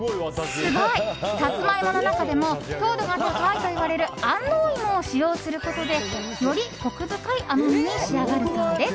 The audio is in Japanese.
サツマイモの中でも糖度が高いといわれる安納芋を使用することでよりコク深い甘みに仕上がるそうです。